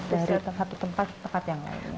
dari satu tempat ke tempat yang lainnya